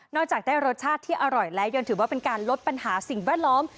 จากได้รสชาติที่อร่อยแล้วยังถือว่าเป็นการลดปัญหาสิ่งแวดล้อม